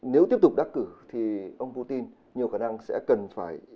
nếu tiếp tục đắc cử thì ông putin nhiều khả năng sẽ cần phải